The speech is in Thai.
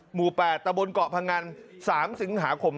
หมู่๘ตะบนเกาะพงัน๓สิงหาคม